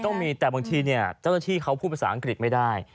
ต้องมีแต่บางทีเจ้าหน้าที่เขาพูดภาษาอังกฤษไม่ได้